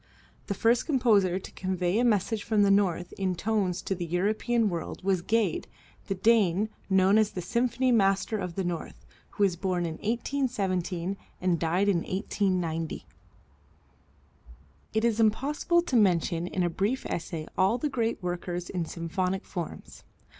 The first composer to convey a message from the North in tones to the European world was Gade, the Dane, known as the Symphony Master of the North, who was born in 1817 and died in 1890. It is impossible to mention in a brief essay all the great workers in symphonic forms.